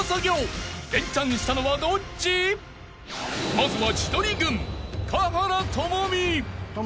［まずは］